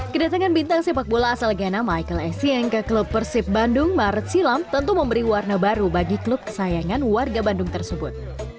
kedatangan bintang sepak bola asal ghana michael esieng ke klub persib bandung maret silam tentu memberi warna baru bagi klub kesayangan warga bandung tersebut